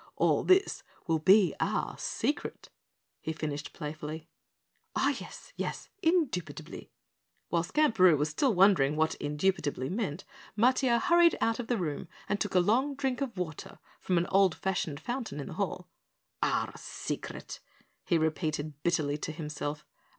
All this will be OUR secret," he finished playfully. "Oh, yes, yes indubitably!" While Skamperoo was still wondering what "indubitably" meant, Matiah hurried out of the room and took a long drink of water from the old fashioned fountain in the hall. "OUR secret!" he repeated bitterly to himself.